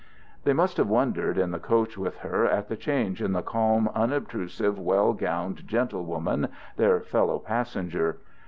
They must have wondered, in the coach with her, at the change in the calm, unobtrusive, well gowned gentlewoman, their fellow passenger.